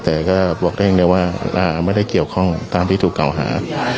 แต่ก็บอกได้เองเนี้ยว่าอ่าไม่ได้เกี่ยวข้องตามที่ถูกเก่าหา